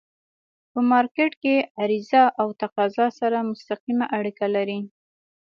په مارکيټ کی عرضه او تقاضا سره مستقیمه اړیکه لري.